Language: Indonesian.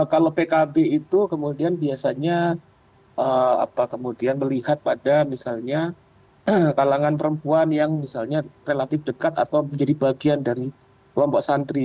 kalau pkb itu kemudian biasanya kemudian melihat pada misalnya kalangan perempuan yang misalnya relatif dekat atau menjadi bagian dari kelompok santri